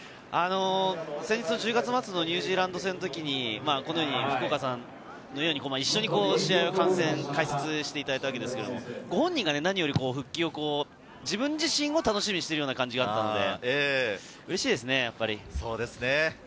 先日１０月末のニュージーランド戦の時に、福岡さんのように一緒に観戦をして解説していただいたわけですけれど、ご本人が何よりも復帰を自分自身も楽しみにしてるような感じがあったので、うれしいですね。